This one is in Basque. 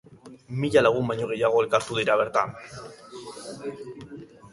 Mila lagun baino gehiago elkartu dira bertan.